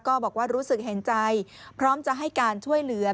บอกว่ารู้สึกเห็นใจพร้อมจะให้การช่วยเหลือ